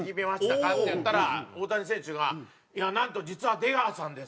って言ったら大谷選手がなんと実は出川さんです。